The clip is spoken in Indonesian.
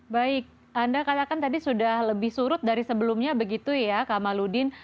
baik anda katakan tadi sudah lebih surut dari sebelumnya begitu ya kamaludin